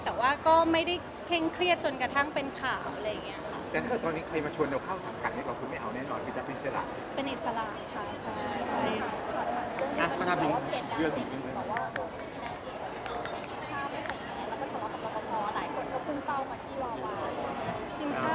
แต่ว่าก็ไม่ได้เคร่งเครียดจนกระทั่งเป็นข่าวอะไรอย่างนี้ค่ะ